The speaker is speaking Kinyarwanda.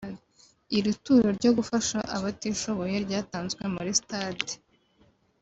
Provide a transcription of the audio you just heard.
Iri turo ryo gufasha abatishoboye ryatanzwe muri stade